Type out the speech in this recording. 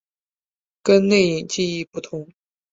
跟内隐记忆不同。